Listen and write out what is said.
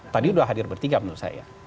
tadi sudah hadir bertiga menurut saya